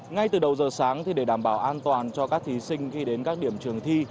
ngay từ đầu giờ sáng để đảm bảo an toàn cho các thí sinh khi đến các điểm trường thi